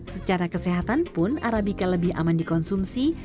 secara kesehatan pun arabica lebih aman dikonsumsi